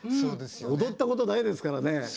踊ったことないですからね。